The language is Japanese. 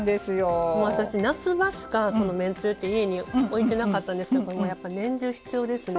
私夏場しかめんつゆって家に置いてなかったんですけどやっぱ年中必要ですね。